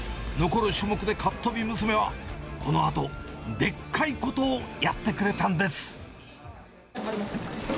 残る種目でかっとび娘は、このあと、でっかいことをやってくれたんです。